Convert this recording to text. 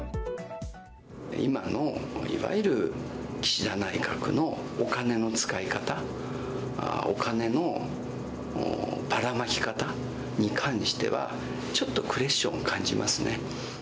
今の、いわゆる岸田内閣のお金の使い方お金のばらまき方に関してはちょっとクエスチョンを感じますね。